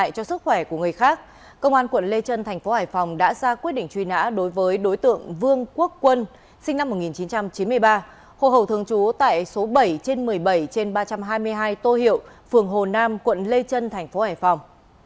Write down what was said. công an quận lê trân tp hải phòng đã ra quyết định truy nã đối với đối tượng vương quốc quân sinh năm một nghìn chín trăm chín mươi ba hồ hầu thường trú tại số bảy trên một mươi bảy trên ba trăm hai mươi hai tô hiệu phường hồ nam quận lê trân tp hải phòng